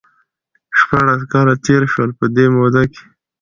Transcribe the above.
شپاړس کاله تېر شول ،په دې موده کې